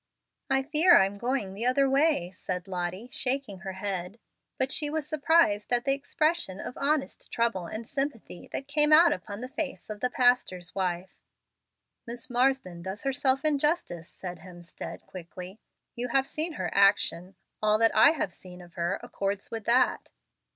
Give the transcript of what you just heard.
"I fear I'm going the other way," said Lottie, shaking her head. But she was surprised at the expression of honest trouble and sympathy that came out upon the face of the pastor's wife. "Miss Marsden does herself injustice," said Hemstead, quickly. "You have seen her action. All that I have seen of her accords with that."